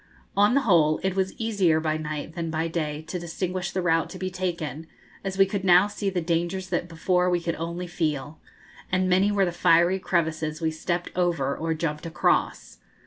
On the whole it was easier by night than by day to distinguish the route to be taken, as we could now see the dangers that before we could only feel; and many were the fiery crevices we stepped over or jumped across.